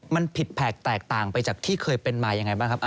มันผิดแผกแตกต่างไปจากที่เคยเป็นมายังไงบ้างครับ